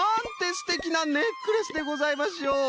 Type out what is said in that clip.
すてきなネックレスでございましょう！